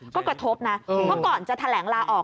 ก็กระทบนะเพราะก่อนจะแถลงลาออก